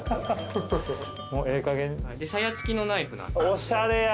おしゃれやわ。